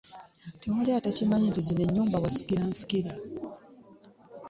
Tewali atakimanyi nti zino ennyumba wasikiransikire.